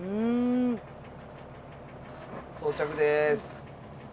到着です。